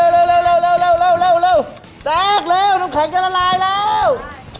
เร็วเร็วเร็วสงนัดสงน้ำแข็งจะละลายเร็ว